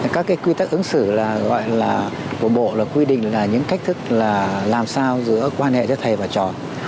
các cái quy tắc ứng xử là gọi là của bộ là quy định là những cách thức là làm sao giữa quan hệ cho thầy và trò